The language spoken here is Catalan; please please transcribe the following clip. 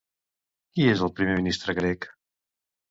Qui és el primer ministre grec?